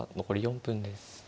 残り４分です。